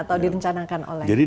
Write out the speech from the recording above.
atau direncanakan oleh